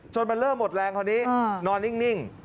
จนมันเริ่มอดแรงพอนี้นอนนิ่ง